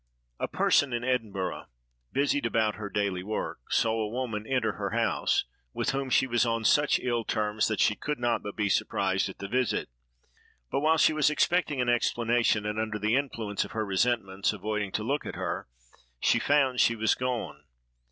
A person in Edinburgh, busied about her daily work, saw a woman enter her house, with whom she was on such ill terms that she could not but be surprised at the visit; but while she was expecting an explanation, and under the influence of her resentment avoiding to look at her, she found she was gone.